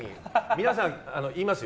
皆さん、言いますよ。